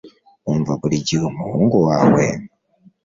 Wumva buri gihe umuhungu wawe?